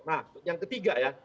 nah yang ketiga ya